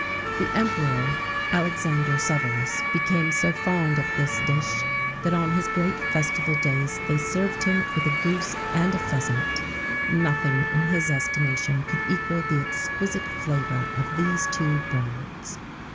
[XVII 66] The Emperor Alexander Severus became so fond of this dish, that on his great festival days they served him with a goose and a pheasant.[XVII 67] Nothing, in his estimation, could equal the exquisite flavour of these two birds.